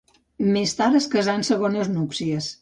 Més tard, es casà en segones núpcies.